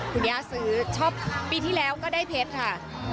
คุณย่าซื้อชอบปีที่แล้วก็ได้เพชรค่ะ